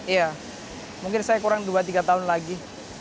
iya mungkin saya kurang dua tiga tahun lagi